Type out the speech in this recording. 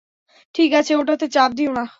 ঠিক আছে, ওটাতে চাপ দিও না।